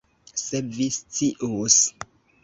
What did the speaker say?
Se vi scius!